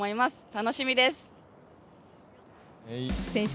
楽しみです。